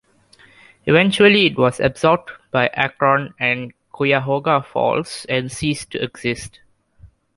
Eventually it was absorbed by Akron and Cuyahoga Falls and ceased to exist.